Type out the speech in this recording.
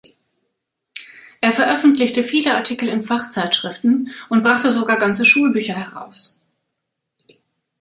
Er veröffentlichte viele Artikel in Fachzeitschriften und brachte sogar ganze Schulbücher heraus.